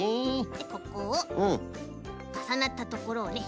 ここをかさなったところをね